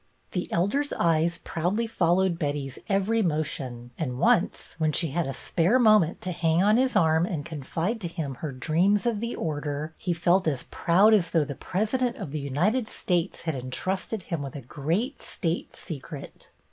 The Elder's eyes proudly followed Betty's every motion, and once, when she had a spare moment to hang on his arm and con fide to him her dreams of the Order, he felt as proud as though the President of the United States had entrusted him with a great state secret.